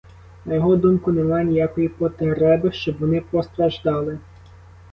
На його думку, нема ніякої потреби, щоб вони постраждали.